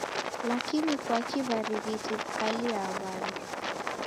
Lakini kwaki w'arighiti w'ikalia w'andu.